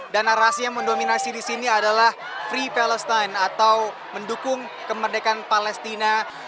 narasi yang mendominasi di sini adalah free palestine atau mendukung kemerdekaan palestina